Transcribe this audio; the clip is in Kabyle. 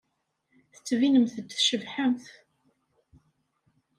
Tettbinemt-d tcebḥemt.